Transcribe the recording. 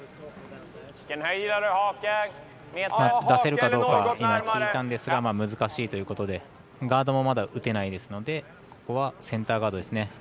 出せるかどうか聞いたんですが難しいということでガードもまだ打てないですのでここはセンターガードですね。